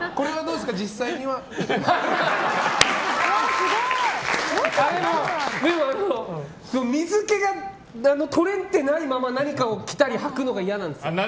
でも、水気が取れてないまま何かを着たりはくのが嫌なんですよ。